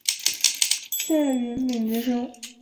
夏允彝之兄。